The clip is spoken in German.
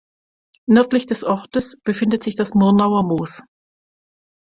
Nördlich des Ortes befindet sich das Murnauer Moos.